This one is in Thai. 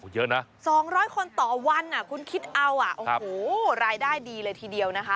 เยอะน่ะสองร้อยคนต่อวันอ่ะคุณคิดเอาอ่ะครับโอ้โหรายได้ดีเลยทีเดียวนะคะ